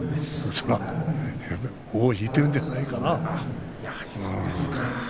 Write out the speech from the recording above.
恐らく尾を引いてるんじゃないかな？